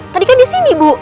tadi kan disini bu